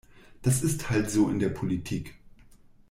Das ist halt so in der Politik.